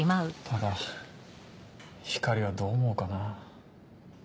ただ光莉はどう思うかな。